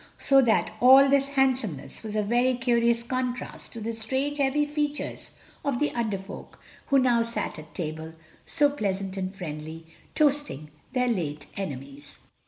So that all this handsomeness was a very curious contrast to the strange heavy features of the Under Folk who now sat at table, so pleasant and friendly, toasting their late enemies.